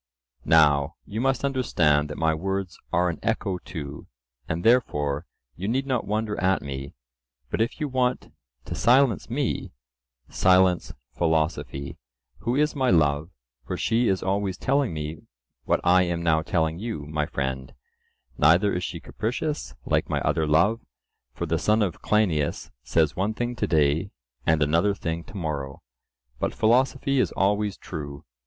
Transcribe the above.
Now you must understand that my words are an echo too, and therefore you need not wonder at me; but if you want to silence me, silence philosophy, who is my love, for she is always telling me what I am now telling you, my friend; neither is she capricious like my other love, for the son of Cleinias says one thing to day and another thing to morrow, but philosophy is always true.